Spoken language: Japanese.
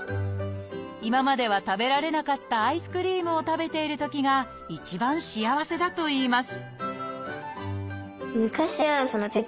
今までは食べられなかったアイスクリームを食べているときが一番幸せだといいます